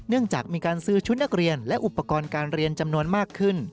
จากมีการซื้อชุดนักเรียนและอุปกรณ์การเรียนจำนวนมากขึ้น